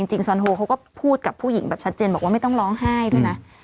ซอนโฮเขาก็พูดกับผู้หญิงแบบชัดเจนบอกว่าไม่ต้องร้องไห้ด้วยนะ